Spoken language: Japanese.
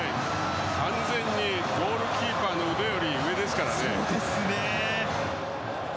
完全にゴールキーパーの腕より上ですからね。